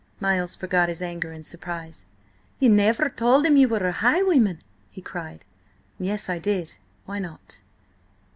Miles forgot his anger in surprise. "Ye never told him ye were a highwayman?" he cried. "Yes, I did. Why not?"